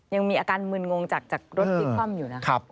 ยังมีอาการมึนงงจากรถพิกฟัมอยู่นะ